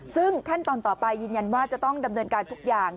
ซึ่งขั้นตอนต่อไปยืนยันว่าจะต้องดำเนินการทุกอย่าง